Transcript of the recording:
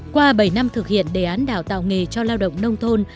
qua bảy năm thực hiện đề án đào tạo nghề cho lao động nông thôn